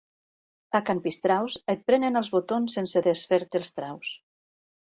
A can Pistraus et prenen els botons sense desfer-te els traus.